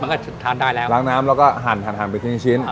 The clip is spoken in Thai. มันก็ทานได้แล้วล้างน้ำแล้วก็หั่นหั่นหั่นเป็นชิ้นชิ้นอ่า